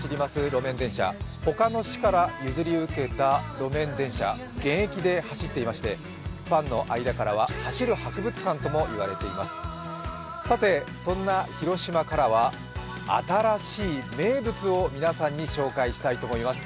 路面電車ほかの市から譲り受けた路面電車、現役で走っていましてファンの間からは走る博物館ともいわれています。